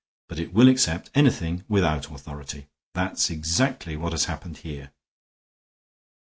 But it will accept anything without authority. That's exactly what has happened here.